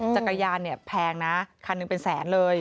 จักรยานเนี่ยแพงนะคันหนึ่งเป็นแสนเลย